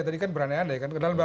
tadi kan beranian ada ya kan